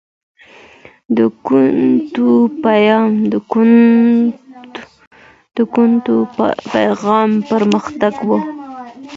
د کُنت پيغام پرمختګ و.